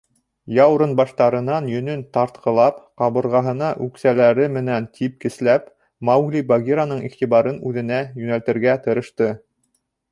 Яурынбаштарынан йөнөн тартҡылап, ҡабырғаһына үксәләре менән типкесләп, Маугли Багираның иғтибарын үҙенә йүнәлтергә тырышты.